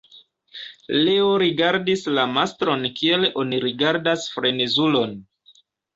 Leo rigardis la mastron kiel oni rigardas frenezulon.